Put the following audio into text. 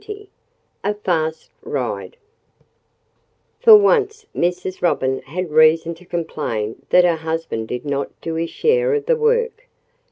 XX A Fast Ride For once Mrs. Robin had reason to complain that her husband did not do his share of the work.